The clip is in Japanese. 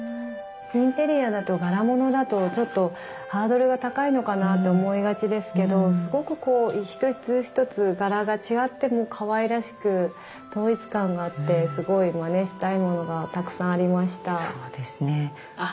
インテリアだと柄物だとちょっとハードルが高いのかなと思いがちですけどすごくこう一つ一つ柄が違ってもかわいらしく統一感があってすごいまねしたいものがたくさんありました。